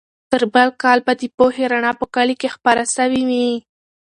تر بل کال به د پوهې رڼا په کلي کې خپره سوې وي.